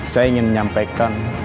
saya ingin menyampaikan